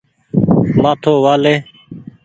مآٿو وآ لي ۔